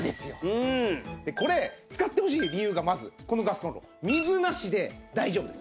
これ使ってほしい理由がまずこのガスコンロ水なしで大丈夫です。